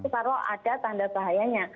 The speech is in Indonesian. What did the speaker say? pasti ada tanda bahayanya